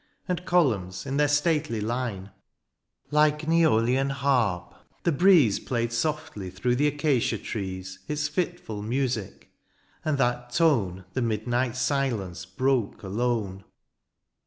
And columns in their stately line. Like an Aeolian harp the breeze Played softly through the acacia trees Its fitful music, and that tone The midnight silence broke alone.